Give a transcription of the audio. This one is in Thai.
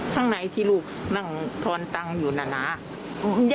ยังไม่ได้ขายได้เงินสักบาทเลย